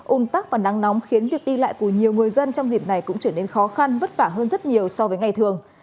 ún tắc và nắng nóng khiến việc đi lại của nhiều người dân trong dịp này cũng trở nên khó khăn vất vả hơn rất nhiều so với ngày thường